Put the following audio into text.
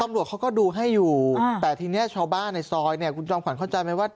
ตำรวจเขาก็ดูให้อยู่แต่ทีนี้ชาวบ้านในซอยเนี่ยคุณจอมขวัญเข้าใจไหมว่า